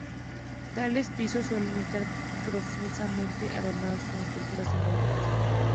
Tales pisos suelen estar profusamente adornados con esculturas simbólicas.